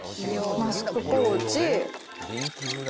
マスクポーチ。